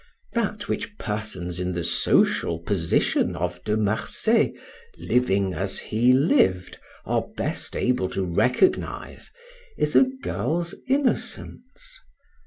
That which persons in the social position of De Marsay, living as he lived, are best able to recognize is a girl's innocence.